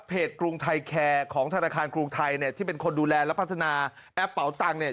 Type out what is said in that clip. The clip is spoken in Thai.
กรุงไทยแคร์ของธนาคารกรุงไทยเนี่ยที่เป็นคนดูแลและพัฒนาแอปเป๋าตังค์เนี่ย